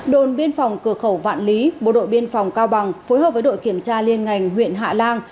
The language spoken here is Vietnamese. đồn biên phòng cửa khẩu vạn lý bộ đội biên phòng cao bằng phối hợp với đội kiểm tra liên ngành huyện hạ lan